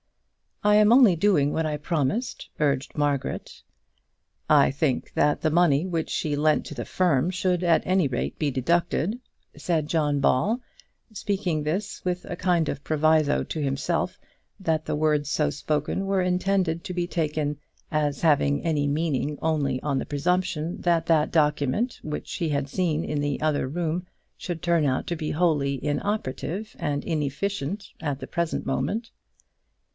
"I am only doing what I promised," urged Margaret. "I think that the money which she lent to the firm should, at any rate, be deducted," said John Ball, speaking this with a kind of proviso to himself, that the words so spoken were intended to be taken as having any meaning only on the presumption that that document which he had seen in the other room should turn out to be wholly inoperative and inefficient at the present moment.